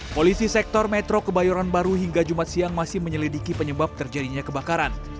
polisi sektor metro kebayoran baru hingga jumat siang masih menyelidiki penyebab terjadinya kebakaran